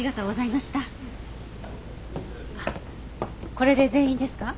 これで全員ですか？